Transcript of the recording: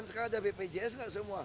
sekarang ada bpjs nggak semua